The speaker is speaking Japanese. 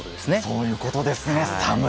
そういうことですね。